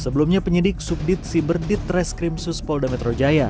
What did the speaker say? sebelumnya penyidik subdit siber ditra skrimsus polda metro jaya